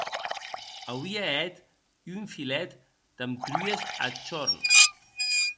Auie hèt un filet damb truhes ath horn.